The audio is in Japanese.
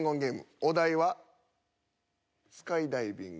お題はスカイダイビング。